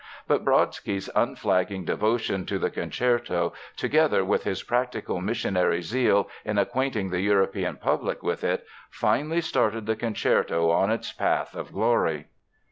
But Brodsky's unflagging devotion to the concerto, together with his practical missionary zeal in acquainting the European public with it, finally started the concerto on its path of glory.